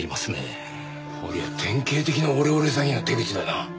こりゃ典型的なオレオレ詐欺の手口だな。